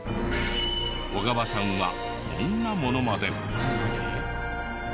小川さんはこんなものまで。